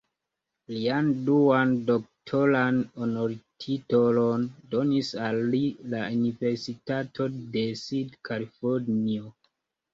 Lian duan doktoran honortitolon donis al li la Universitato de Sud-Kalifornio.